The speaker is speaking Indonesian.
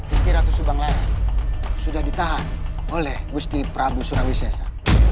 istri ratu subang larang sudah ditahan oleh gusti prabu surawi sesa